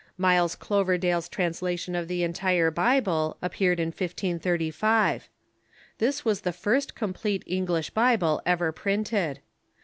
Miles Coverdale's transla tion of the entire Bible appeared in 1535. This was the first complete English Bible ever printed.